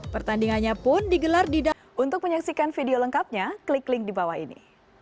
pertandingannya pun digelar dida untuk menyaksikan video lengkapnya klik link di bawah ini